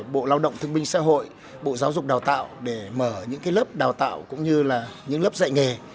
bộ lao động thương minh xã hội bộ giáo dục đào tạo để mở những lớp đào tạo cũng như là những lớp dạy nghề